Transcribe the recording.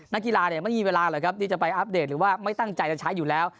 นักกีฬาเนี่ยไม่มีเวลาหรอกครับที่จะไปอัปเดตหรือว่าไม่ตั้งใจจะใช้อยู่แล้ว